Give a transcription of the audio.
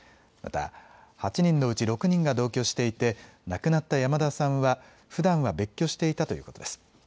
また、８人のうち６人が同居していて亡くなった山田さんはふだんは別居していたということです。